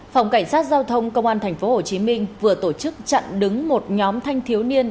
phòng cảnh sát giao thông công an tp hcm vừa tổ chức chặn đứng một nhóm thanh thiếu niên